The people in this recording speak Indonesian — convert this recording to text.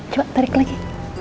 coba tarik lagi